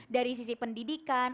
dari sisi pendidikan